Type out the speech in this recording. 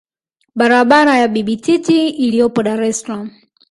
Barabara ya Bibi Titi iliyopo Dar es salaam